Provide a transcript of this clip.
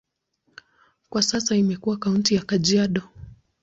Kwa sasa imekuwa kaunti ya Kajiado.